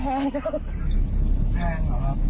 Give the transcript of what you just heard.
แพงเหรอครับ